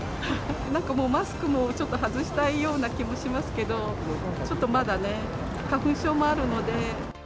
なんかもう、マスクもちょっと外したいような気もしますけど、ちょっとまだね、花粉症もあるので。